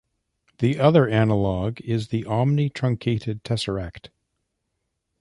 The other analogue is the omnitruncated tesseract.